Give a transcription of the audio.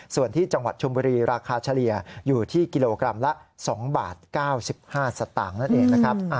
ส่วนที่จังหวัดชุมบุรีราคาเฉลี่ยอยู่ที่กิโลกรัมละ๒บาท๙๕สตางค์